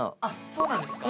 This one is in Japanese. そうなんですか。